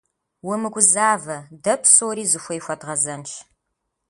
Умыгузавэ, дэ псори зыхуей хуэдгъэзэнщ.